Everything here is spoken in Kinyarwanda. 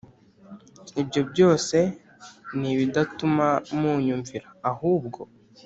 Ibyo byose nibidatuma munyumvira ahubwo